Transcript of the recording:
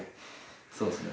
そうですね。